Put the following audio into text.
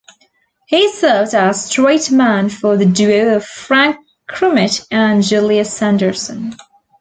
He served as straight man for the duo of Frank Crumit and Julius Sanderson.